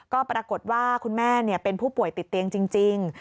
ก็ปรากฏว่าคุณแม่เป็นผู้ป่วยติดเตียงจริง